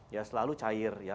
ya selalu cair ya